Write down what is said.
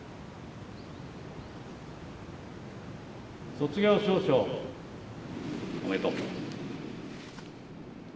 卒業証書おめでとう。